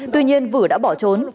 tuy nhiên vử đã bỏ trốn